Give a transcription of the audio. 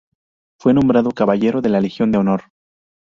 Fue nombrado caballero de la Legión de Honor.